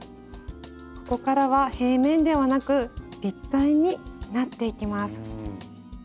ここからは平面ではなく立体になっていきます。